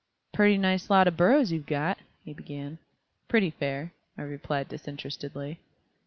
"Purty nice lot of burros you've got," he began. "Pretty fair," I replied disinterestedly.